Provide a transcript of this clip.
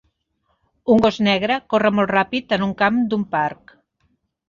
Un gos negre corre molt ràpid en un camp d'un parc